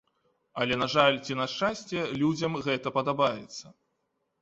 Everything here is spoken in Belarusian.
Але на жаль, ці на шчасце, людзям гэта падабаецца.